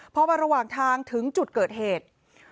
พอมาระหว่างทางถึงจุดเกิดเหตุ